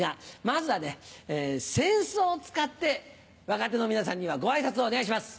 まずはね扇子を使って若手の皆さんにはご挨拶をお願いします。